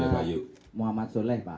nama saya muhammad soleh pak